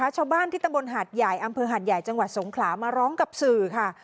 ชาวบ้านที่ตำบลหาดใหญ่อำเภอหาดใหญ่จังหวัดสงขลามาร้องกับสื่อค่ะ